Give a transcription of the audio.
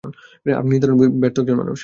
আপনি নিদারুণ ব্যর্থ একজন মানুষ।